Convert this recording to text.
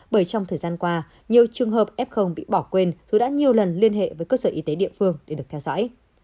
bởi trong thời gian qua nhiều trường hợp f bị bỏ quên dù đã nhiều lần liên hệ với cơ sở y tế địa phương để được theo dõi